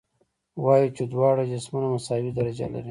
وایو چې دواړه جسمونه مساوي درجه لري.